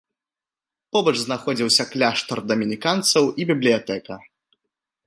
Побач знаходзіўся кляштар дамініканцаў і бібліятэка.